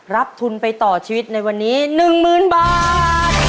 รับทุนไปต่อชีวิตในวันนี้๑๐๐๐บาท